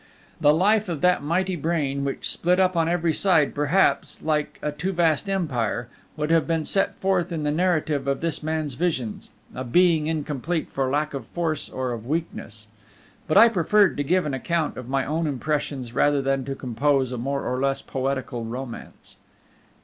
The life of that mighty brain, which split up on every side perhaps, like a too vast empire, would have been set forth in the narrative of this man's visions a being incomplete for lack of force or of weakness; but I preferred to give an account of my own impressions rather than to compose a more or less poetical romance.